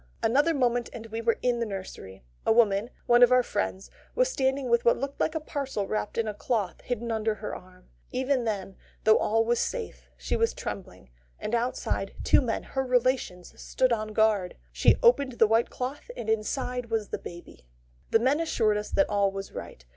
Another moment, and we were in the nursery. A woman one of our friends was standing with what looked like a parcel wrapped in a cloth hidden under her arm. Even then, though all was safe, she was trembling; and outside, two men, her relations, stood on guard. She opened the white cloth, and inside was the baby. The men assured us that all was right.